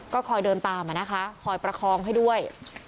ก็คอยเดินตามอะนะคะคอยประคองให้ด้วย